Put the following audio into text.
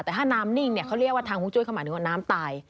แต่ถ้าน้ำนิ่งเนี่ยเขาเรียกว่าทางฮุงจุ้ยเขาหมายถึงว่าน้ำตาย